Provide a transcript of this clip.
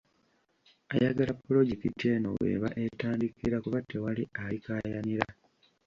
Ayagala pulojekiti eno w’eba etandikira kuba tewali alikaayanira.